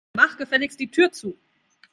Mach gefälligst die Tür zu.